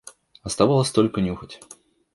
Оставалось только нюхать.